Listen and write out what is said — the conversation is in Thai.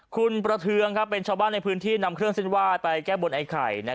คุณประเทืองเป็นชาวบ้านในพื้นที่นำเครื่องเส้นไหว้ไปแก้บนไอ้ไข่